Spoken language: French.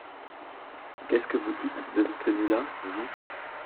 Qu’est-ce que vous dites de cette tenue-là, vous ?